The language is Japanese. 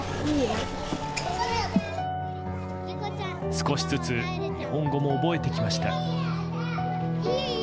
少しずつ日本語も覚えてきました。